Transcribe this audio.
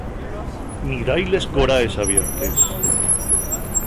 Mirái les coraes abiertes.